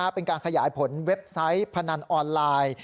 เป็นการขยายผลเว็บไซต์พนันออนไลน์